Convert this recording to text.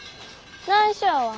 ないしょやわ。